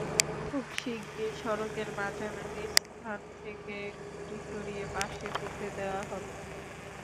খুব শিগগির সড়কের মাঝামাঝি স্থান থেকে খুঁটি সরিয়ে পাশে পুঁতে দেওয়া হবে।